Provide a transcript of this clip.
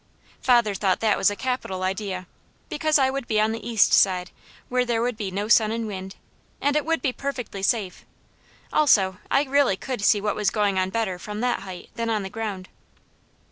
Father thought that was a capital idea, because I would be on the east side, where there would be no sun and wind, and it would be perfectly safe; also, I really could see what was going on better from that height than on the ground.